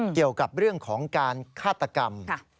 เกี่ยวกับเรื่องของการฆาตกรรม